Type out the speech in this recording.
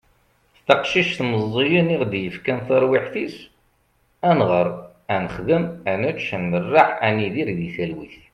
taqcict meẓẓiyen i aɣ-d-yefkan taṛwiḥt-is ad nɣeṛ, ad nexdem, ad nečč, ad merreḥ, ad nidir di talwit